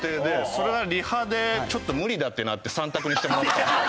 それがリハでちょっと無理だってなって３択にしてもらったんですよ。